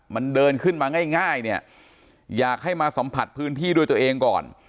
มันเดินขึ้นมาง่ายเนี่ยอยากให้มาสัมผัสพื้นที่ด้วยตัวเองก่อน